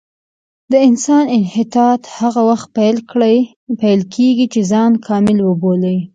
د انسان انحطاط هغه وخت پیل کېږي چې ځان کامل وبولي.